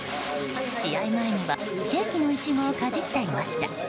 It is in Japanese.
試合前には、ケーキのイチゴをかじっていました。